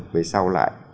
về sau lại